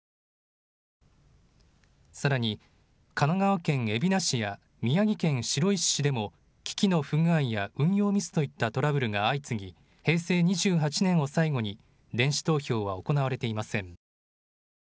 さらに神奈川県海老名市や宮城県白石市でも機器の不具合や運用ミスといったトラブルが相次ぎ、平成２８年を最後に電子投票は行われていません。